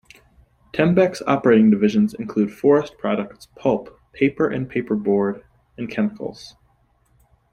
Tembec's operating divisions include Forest Products, Pulp, Paper and Paperboard, and Chemicals.